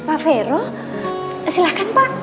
eh pak vero silakan pak hon